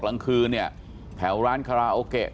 กลางคืนเนี่ยแถวร้านคาราโอเกะ